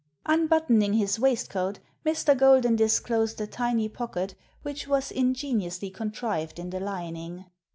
Unbuttoning his waistcoat, Mr. Golden disclosed a tiny pocket, which was ingeniously contrived in the lining.